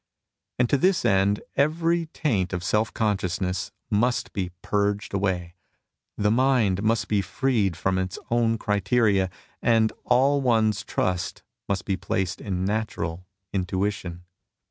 And to this end every taint of self consciousness must be purged away, the mind^^must be freed from its own criteria, and all one's trust must be placed in natural intuition.